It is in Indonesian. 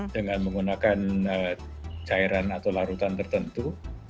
dengan menggunakan cairan atau larutan tertentu